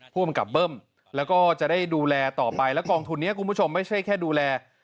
ภูมิกับเบิ้มแล้วก็จะได้ดูแลต่อไปแล้วกองทุนนี้คุณผู้ชมไม่ใช่แค่ดูแล